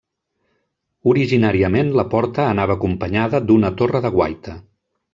Originàriament la porta anava acompanyada d'una torre de guaita.